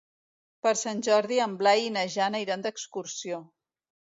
Per Sant Jordi en Blai i na Jana iran d'excursió.